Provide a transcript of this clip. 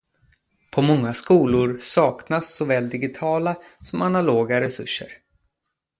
På många skolor saknas såväl digitala som analoga resurser.